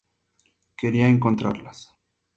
Quería encontrarlas.